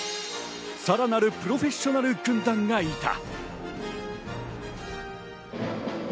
さらなるプロフェッショナル軍団がいた。